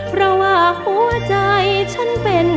เพราะว่าหัวใจฉันเป็น